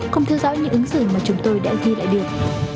không theo dõi những ứng xử mà chúng tôi đã ghi lại được